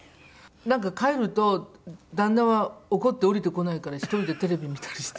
なんか帰ると旦那は怒って下りてこないから１人でテレビ見たりして。